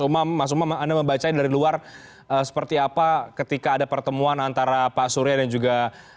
umam mas umam anda membacanya dari luar seperti apa ketika ada pertemuan antara pak surya dan juga